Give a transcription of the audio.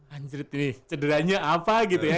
anjrit ini cederanya apa gitu ya